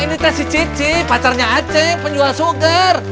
ini teh si cici pacarnya aceh penjual sujar